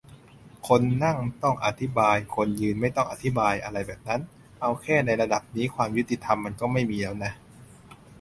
คนนั่ง ต้องอธิบาย คนยืน ไม่ต้องอธิบาย อะไรแบบนั้น เอาแค่ในระดับนี้ ความยุติธรรมมันก็ไม่มีแล้วน่ะ